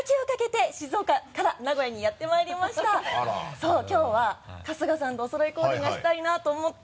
そうきょうは春日さんとおそろいコーデがしたいなと思って。